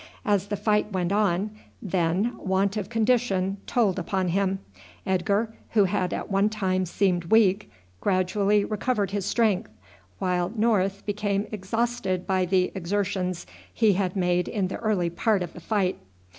As the fight went on, then, want of condition told upon him. Edgar, who had at one time seemed weak, gradually recovered his strength, while North became exhausted by the exertions he had made in the early part of the fight.